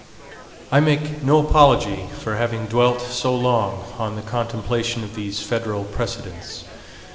I make no apology for having dwelt so long on the contemplation of these federal precedents.